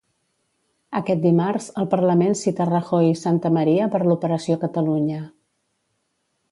Aquest dimarts, el Parlament cita Rajoy i Santamaría per l'operació Catalunya.